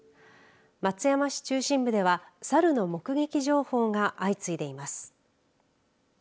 松山市中心部ではサルの目撃情報が相次いでいます。